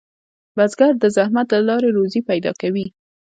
بزګر د زحمت له لارې روزي پیدا کوي